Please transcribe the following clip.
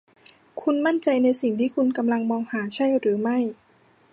คุณมั่นใจในสิ่งที่คุณกำลังมองหาใช่หรือไม่